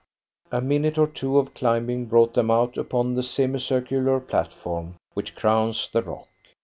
A minute or two of climbing brought them out upon the semicircular platform which crowns the rock.